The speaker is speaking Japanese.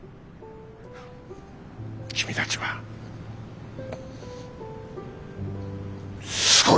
君たちはすごい！